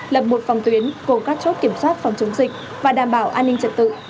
lập một phòng tuyến cố các chốt kiểm soát phòng chống dịch và đảm bảo an ninh trật tự